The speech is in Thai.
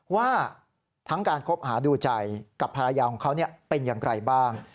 ว่าทั้งการคบหาดูใจกับภรรยาของเขาเป็นอย่างไรบ้าง